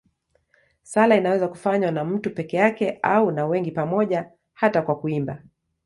Sala inaweza kufanywa na mtu peke yake au na wengi pamoja, hata kwa kuimba.